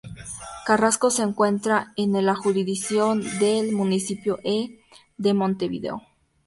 Carrasco se encuentra en la jurisdicción del Municipio E de Montevideo.